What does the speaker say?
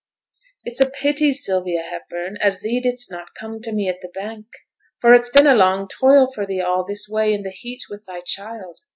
'It's a pity, Sylvia Hepburn, as thee didst not come to me at the bank, for it's been a long toil for thee all this way in the heat, with thy child.